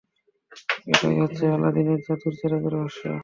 এটাই হচ্ছে আলাদীনের জাদুর চেরাগের রহস্য।